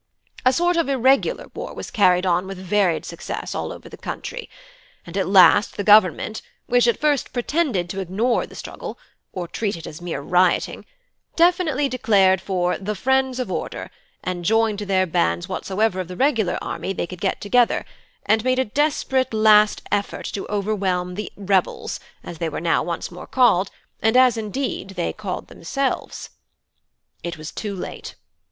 A sort of irregular war was carried on with varied success all over the country; and at last the Government, which at first pretended to ignore the struggle, or treat it as mere rioting, definitely declared for 'the Friends of Order,' and joined to their bands whatsoever of the regular army they could get together, and made a desperate effort to overwhelm 'the rebels,' as they were now once more called, and as indeed they called themselves. "It was too late.